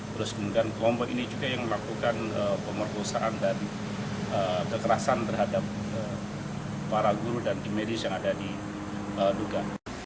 terus kemudian kelompok ini juga yang melakukan pemerkosaan dan kekerasan terhadap para guru dan tim medis yang ada di duga